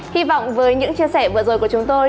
hy vọng với những chia sẻ vừa rồi của chúng tôi